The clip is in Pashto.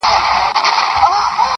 ګونګ یې کی زما تقدیر تقدیر خبري نه کوي,